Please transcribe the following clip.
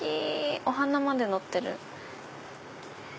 お花までのってる。